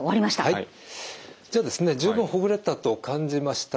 はい。